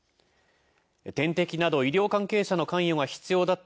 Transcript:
点滴など医療関係者の関与が必要だった